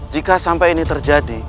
jika sampai ini terjadi